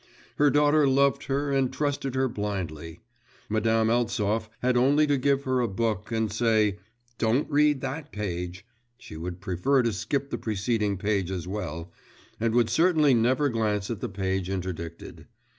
Her daughter loved her and trusted her blindly. Madame Eltsov had only to give her a book, and say 'Don't read that page,' she would prefer to skip the preceding page as well, and would certainly never glance at the page interdicted.